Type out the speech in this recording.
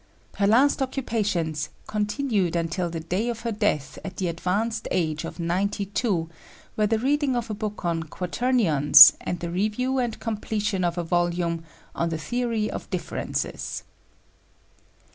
Her last occupations, continued until the day of her death at the advanced age of ninety two, were the reading of a book on Quaternions and the review and completion of a volume On the Theory of Differences.